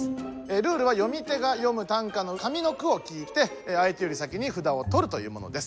ルールはよみ手がよむ短歌の上の句を聞いて相手より先に札を取るというものです。